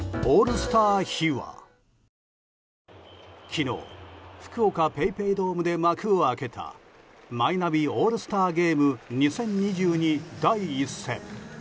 昨日福岡ＰａｙＰａｙドームで幕を開けたマイナビオールスターゲーム２０２２第１戦。